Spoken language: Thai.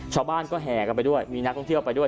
ชาวบ้านก็แห่กันไปด้วยมีนักท่องเที่ยวไปด้วย